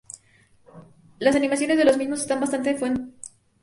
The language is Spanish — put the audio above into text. Las animaciones de los mismos están bastante bien conseguidas.